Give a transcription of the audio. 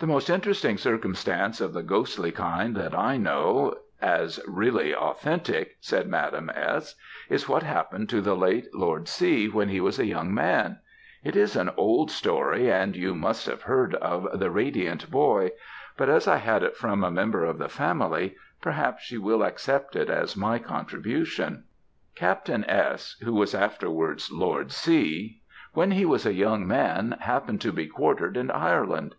"The most interesting circumstance of the ghostly kind that I know, as really authentic," said Madame S., "is what happened to the late Lord C., when he was a young man it is an old story, and you must have heard of the Radiant Boy; but as I had it from a member of the family, perhaps you will accept it as my contribution. "Captain S., who was afterwards Lord C., when he was a young man, happened to be quartered in Ireland.